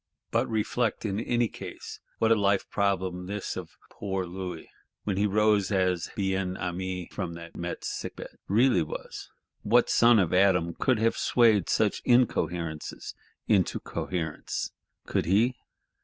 But reflect, in any case, what a life problem this of poor Louis, when he rose as Bien Aimé from that Metz sick bed, really was! What son of Adam could have swayed such incoherences into coherence? Could he?